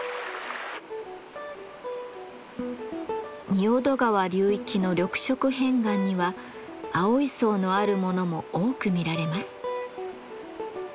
仁淀川流域の緑色片岩には青い層のあるものも多く見られます。